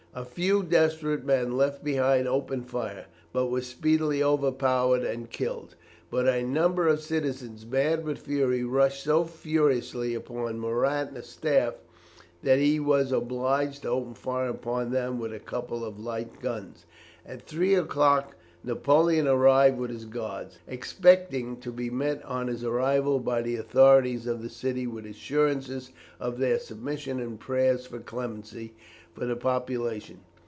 A few desperate men left behind opened fire, but were speedily overpowered and killed, but a number of citizens, mad with fury, rushed so furiously upon Murat and his staff, that he was obliged to open fire upon them with a couple of light guns. At three o'clock Napoleon arrived with his guards, expecting to be met on his arrival by the authorities of the city with assurances of their submission and prayers for clemency for the population.